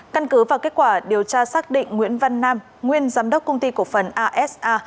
căn cứ vào kết quả điều tra xác định nguyễn văn nam nguyên giám đốc công ty cổ phần asa